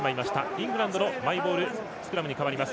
イングランドのマイボールスクラムに変わります。